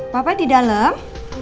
papa di dalam